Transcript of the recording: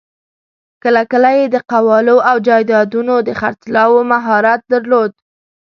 کله کله یې د قوالو او جایدادونو د خرڅلاوو مهارت درلود.